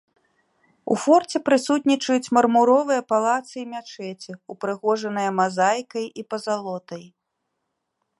У форце прысутнічаюць мармуровыя палацы і мячэці, упрыгожаныя мазаікай і пазалотай.